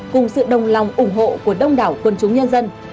cùng sự đồng lòng ủng hộ của đông đảo quân chúng nhân dân